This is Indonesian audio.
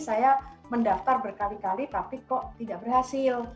saya mendaftar berkali kali tapi kok tidak berhasil